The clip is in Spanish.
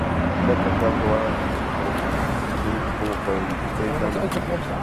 El acta fue aprobada tanto por el parlamento británico como por el de Irlanda.